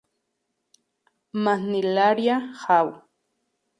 Mammillaria Haw.